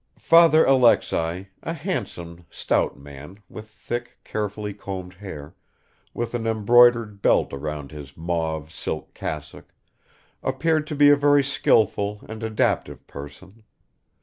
Father Alexei, a handsome stout man with thick, carefully combed hair, with an embroidered belt round his mauve silk cassock, appeared to be a very skillful and adaptable person.